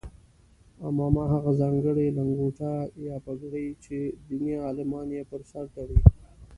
عمامه هغه ځانګړې لنګوټه یا پګړۍ چې دیني عالمان یې پر سر تړي.